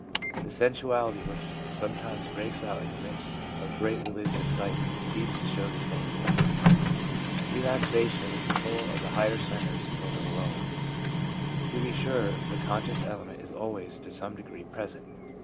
The sensuality which sometimes breaks out in the midst of great religious excitement seems to show the same thing — relaxation of the control of the higher centres over the lower. To be sure, the conscious element is always to some degree present.